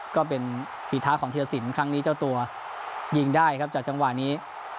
ก็เป็นฝีเท้าของธีรสินครั้งนี้เจ้าตัวยิงได้ครับจากจังหวะนี้